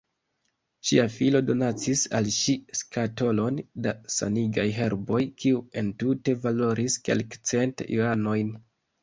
Ŝia filo donacis al ŝi skatolon da sanigaj herboj, kiu entute valoris kelkcent juanojn.